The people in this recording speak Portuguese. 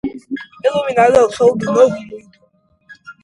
Iluminado ao sol do Novo Mundo